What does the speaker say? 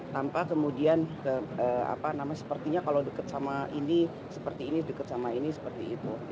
tanpa kemudian sepertinya kalau dekat sama ini seperti ini dekat sama ini seperti itu